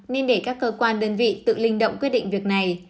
nên để các cơ quan đơn vị tự linh động quyết định việc này